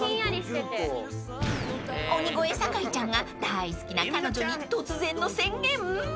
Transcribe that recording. ［鬼越坂井ちゃんが大好きな彼女に突然の宣言］